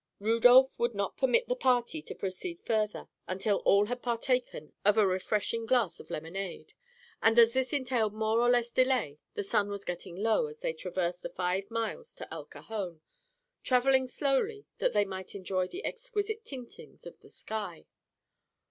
Rudolph would not permit the party to proceed further until all had partaken of a refreshing glass of lemonade, and as this entailed more or less delay the sun was getting low as they traversed the five miles to El Cajon, traveling slowly that they might enjoy the exquisite tintings of the sky.